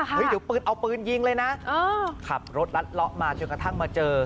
เดี๋ยวปืนเอาปืนยิงเลยนะขับรถรัดเลาะมาจนกระทั่งมาเจอ